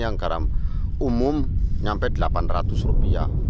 yang garam umum nyampe rp delapan ratus